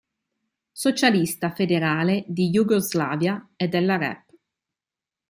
Socialista Federale di Jugoslavia e della Rep.